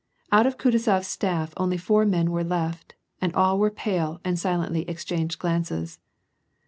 Out of KutuzoFs staff only four men were left, and all were pale aud silently exchanged glances.